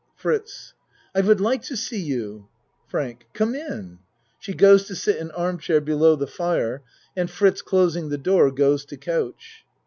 FRITZ I would like to see you. FRANK Come in. (She goes to sit in arm chair below the fire and Fritz closing the door goes to couch.)